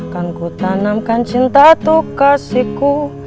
kan ku tanamkan cinta tuh kasihku